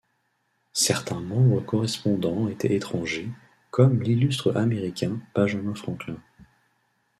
Certains membres correspondants étaient étrangers, comme l'illustre Américain Benjamin Franklin.